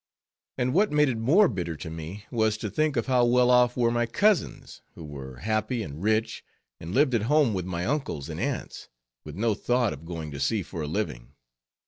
And what made it more bitter to me, was to think of how well off were my cousins, who were happy and rich, and lived at home with my uncles and aunts, with no thought of going to sea for a living.